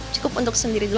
cukup untuk sendiri dulu